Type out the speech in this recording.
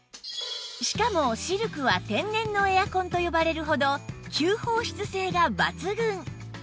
しかもシルクは天然のエアコンと呼ばれるほど吸放湿性が抜群